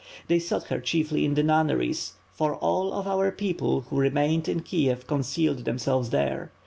They sought her chiefly in the nunneries, for all of our people who remained in Kiev concealed themselves there.